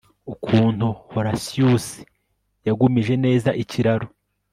Ukuntu Horatius yagumije neza ikiraro